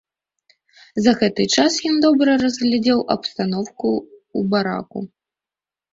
За гэты час ён добра разгледзеў абстаноўку ў бараку.